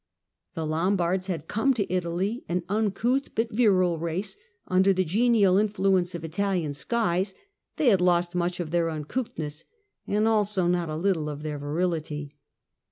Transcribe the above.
The Lombards had come to Italy an uncouth but virile race ; under the genial influence of Italian skies they had lost much of their uncouthness and also not a little of their virility.